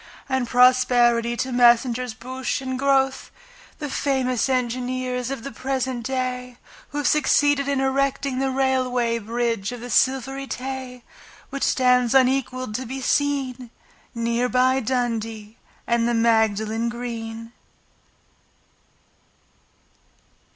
And prosperity to Messrs Bouche and Grothe, The famous engineers of the present day, Who have succeeded in erecting The Railway Bridge of the Silvery Tay, Which stands unequalled to be seen Near by Dundee and the Magdalen Green.